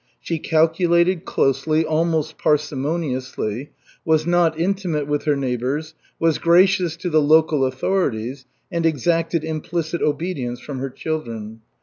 She calculated closely, almost parsimoniously, was not intimate with her neighbors, was gracious to the local authorities, and exacted implicit obedience from her children.